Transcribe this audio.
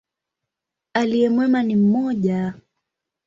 Aliye mwema ni mmoja.